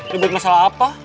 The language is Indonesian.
ribut masalah apa